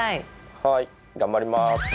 はい頑張ります。